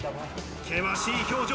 険しい表情。